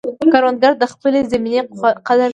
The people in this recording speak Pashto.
کروندګر د خپلې زمینې قدر کوي